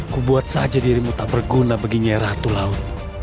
kubuat saja dirimu tak berguna bagi nyai ratu laut